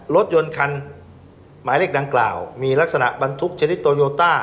รถยนต์คันหมายเลขดังกล่าวมีลักษณะบรรทุกชนิดโตโยต้า